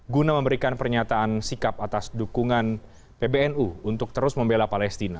guna memberikan pernyataan sikap atas dukungan pbnu untuk terus membela palestina